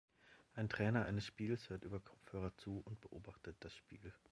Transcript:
Ein Trainer eines Spiels hört über Kopfhörer zu und beobachtet das Spiel.